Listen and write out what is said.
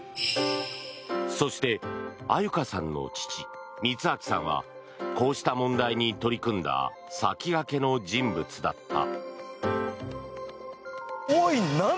そして、愛柚香さんの父充哲さんはこうした問題に取り組んだ先駆けの人物だった。